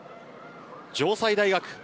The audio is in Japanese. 城西大学。